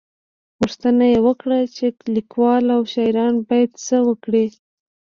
_پوښتنه يې وکړه چې ليکوال او شاعران بايد څه وکړي؟